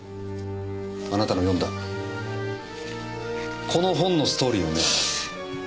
あなたの読んだこの本のストーリーをね。